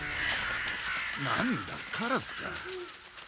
なんだカラスか。